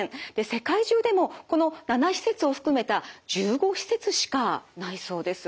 世界中でもこの７施設を含めた１５施設しかないそうです。